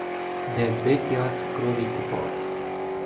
Де Битіас в крові купавсь.